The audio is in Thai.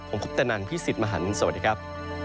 ผมคุปตะนันพี่สิทธิ์มหันฯสวัสดีครับ